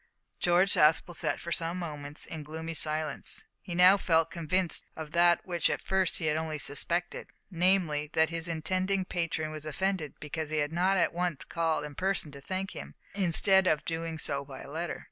George Aspel sat for some moments in gloomy silence. He now felt convinced of that which at first he had only suspected namely, that his intending patron was offended because he had not at once called in person to thank him, instead of doing so by letter.